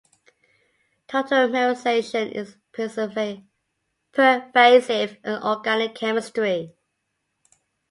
Tautomerization is pervasive in organic chemistry.